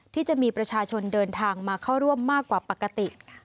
ที่จะมีประชาชนเดินทางมาเข้าร่วมมากกว่าปกติ